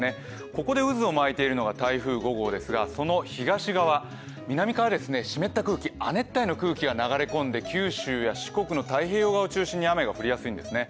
ここで渦を巻いているのが台風５号ですがその東側、南から湿った空気、亜熱帯の空気が流れ込んで九州や四国の太平洋側を中心に雨が降りやすいんですね